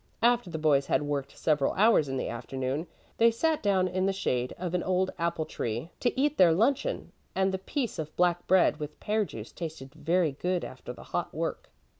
After the boys had worked several hours in the afternoon, they sat down in the shade of an old apple tree to eat their luncheon, and the piece of black bread with pear juice tasted very good after the hot work.